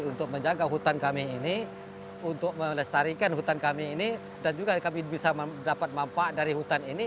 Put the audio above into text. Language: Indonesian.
untuk menjaga hutan kami ini untuk melestarikan hutan kami ini dan juga kami bisa mendapat manfaat dari hutan ini